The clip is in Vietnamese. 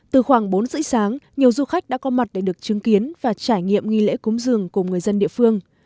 từ khoảng bốn rưỡi sáng nhiều du khách đã có mặt để được chứng kiến và trải nghiệm nghi lễ cúng dường của người dân địa phương